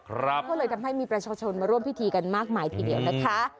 ครับมันจำน่าจะต้องมีมีประชาวชนมาร่วมพิธีกันมากมายทีเดียวนะคะ